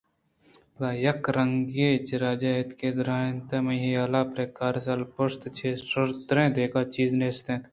پدا یک رَنگ رَجےءَاتکءُ درّائینتے منی حیالءَپرے کارءَ سِل ءُپوستءَچہ شرتریں دگہ چیز نیست